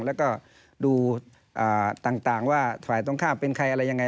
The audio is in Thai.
แล้วก็ดูต่างว่าฝ่ายตรงข้ามเป็นใครอะไรยังไง